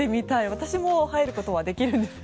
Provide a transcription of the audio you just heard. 私も入ることはできるんですか？